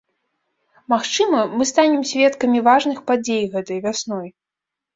Магчыма, мы станем сведкамі важных падзей гэтай вясной.